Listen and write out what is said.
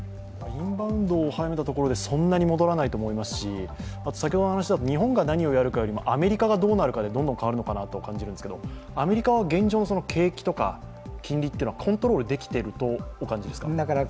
インバウンドを早めたとしてもそんなに戻らないと思いますし先ほどの話だと、日本が何をやるかよりアメリカがどうするかで進むようで、アメリカは現状、景気とか金利とかってコントロールできているとお感じですか？